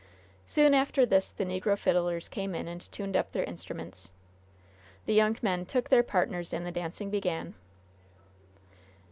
Soon after this the negro fiddlers came in and tuned up their instruments. The young men took their partners and the dancing began.